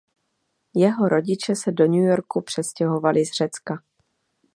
Jeho rodiče se do New Yorku přestěhovali z Řecka.